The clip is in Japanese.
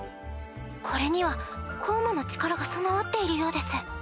これには抗魔の力が備わっているようです。